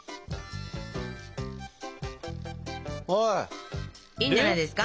いいんじゃないですか？